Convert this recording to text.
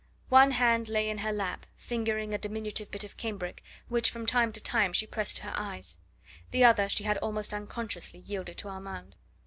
One hand lay in her lap fingering a diminutive bit of cambric, which from time to time she pressed to her eyes. The other she had almost unconsciously yielded to Armand.